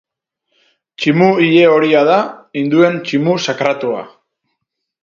Tximu ile-horia da, hinduen tximu sakratua.